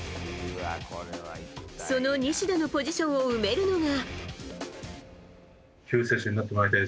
その西田のポジションを埋めるのが。